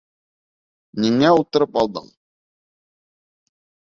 Ниңә ултырып алдың?